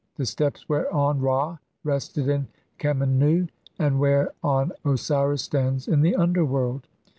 The steps whereon Ra rested in Khemennu, and where on Osiris stands in the underworld.